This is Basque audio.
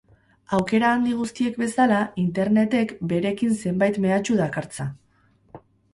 Aukera handi guztiek bezala, Internetek berekin zenbait mehatxu dakartza.